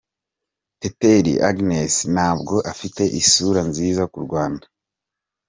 Teteri Agnes ntabwo afite isura nziza k’u Rwanda.